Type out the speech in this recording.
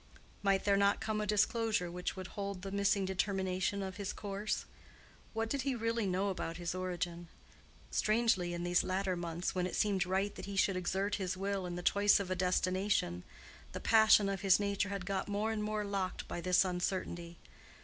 Might there not come a disclosure which would hold the missing determination of his course? What did he really know about his origin? Strangely in these latter months when it seemed right that he should exert his will in the choice of a destination, the passion of his nature had got more and more locked by this uncertainty.